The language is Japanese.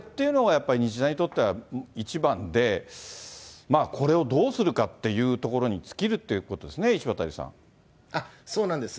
やっぱり日大にとっては一番で、これをどうするかっていうところに尽きるということですね、石渡そうなんです。